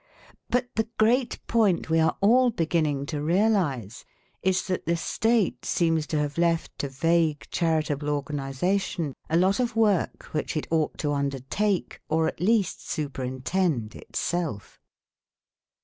But the great point we are all beginning to realize is that the State seems to have left to vague charitable organization a lot of work PHILANTHROPISTS 85 which it ought to undertake or at least superintend itself.